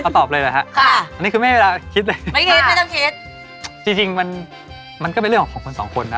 เขาตอบเลยเลยฮะอันนี้คือไม่ให้เวลาคิดเลยจริงมันก็เป็นเรื่องของคนสองคนนะ